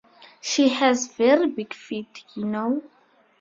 She has very big feet, you know.